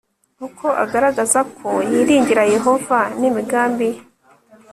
uko agaragaza ko yiringira yehova n imigambi ye